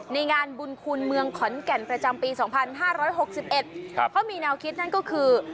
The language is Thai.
ในงานบุญคุณเมืองขอนแก่นประจำปีสองพันห้าร้อยหกสิบเอ็ดครับเขามีแนวคิดนั่นก็คือ